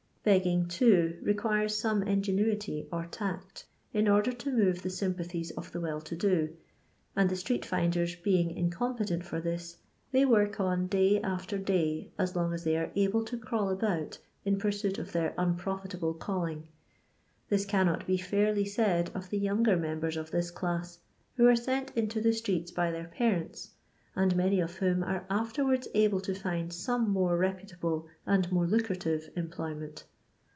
Begging, too, requires some ingenuity or tact, in order to move the sympathies of the well to do, and the street finders being incompetent for this, they work on day after day as long as they are able to crawl about in pursuit of their unprofit able ealling. This cannot be &iriy said of the yoonger memben of this class, who are sent into the streets by their parents, and many of whom are afterwards able to find some more reputable and more lucrative employment.